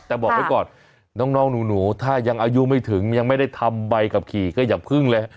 แต่บอกไว้ก่อนน้องหนูถ้ายังอายุไม่ถึงยังไม่ได้ทำใบขับขี่ก็อย่าพึ่งเลย